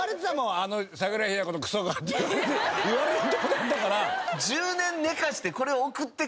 「あの桜井日奈子のクソが」って言われるとこだったから。